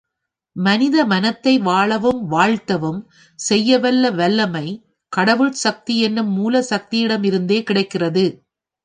மனித மனத்தை வாழவும், வாழ்த்தவும் செய்யவல்ல வல்லமை கடவுட்சக்தி எனும் மூலசக்தியிடமிருந்தே கிடைக்கிறது.